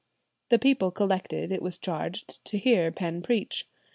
The people collected, it was charged, to hear Penn preach.